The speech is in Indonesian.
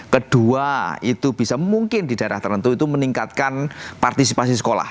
kedua itu bisa mungkin di daerah tertentu itu meningkatkan partisipasi sekolah